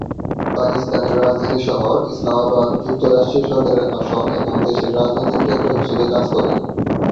পাকিস্তানের রাজধানী শহর, ইসলামাবাদ যুক্তরাষ্ট্রীয় সরকারের আসন এবং দেশের রাজনৈতিক কেন্দ্র হিসেবে কাজ করে।